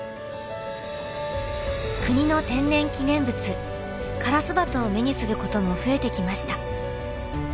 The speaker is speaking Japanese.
国の天然記念物カラスバトを目にすることも増えてきました。